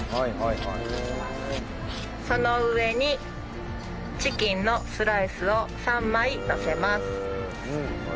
その上にチキンのスライスを３枚のせます。